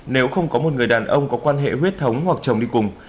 nếu không có một người đàn ông có quan hệ huyết thống hoặc chồng đi cùng